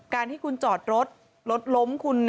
การที่คุณจอดรถรถล้มคุณ